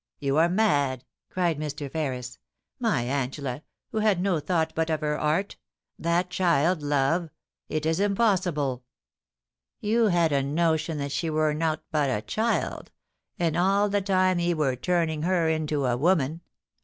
*You are madf cried Mr. Ferris. *My Angela, who had no thought but of her art ; that child love ! It is im{>ossible P ' You had a notion that she wur nowt but a child, and all the time he wur turning her into a woman.